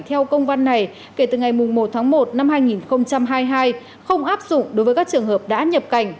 theo công văn này kể từ ngày một tháng một năm hai nghìn hai mươi hai không áp dụng đối với các trường hợp đã nhập cảnh